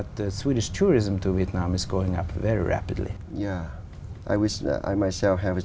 chúng ta đều rất tự nhiên quan hệ về việc chuyển đổi